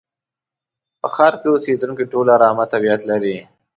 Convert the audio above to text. په ښار کې اوسېدونکي ټول ارامه طبيعت لري.